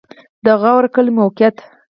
د غور کلی موقعیت